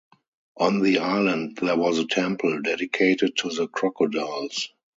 On the island there was a temple dedicated to the crocodiles.